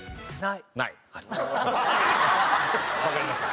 わかりました。